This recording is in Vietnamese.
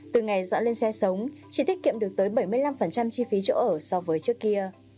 từ ngày dọn lên xe sống chị tiết kiệm được tới bảy mươi năm chi phí chỗ ở so với trước kia